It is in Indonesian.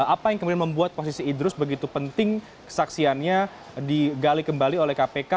apa yang kemudian membuat posisi idrus begitu penting kesaksiannya digali kembali oleh kpk